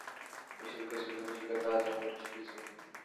মিশেল কে শেখাতে শেখাতে আজ আমি এটা শিখেছি।